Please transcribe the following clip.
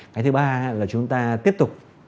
cái thứ ba là chúng ta tiếp tục